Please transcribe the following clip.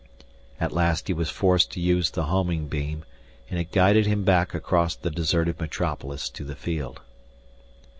At last he was forced to use the homing beam, and it guided him back across the deserted metropolis to the field.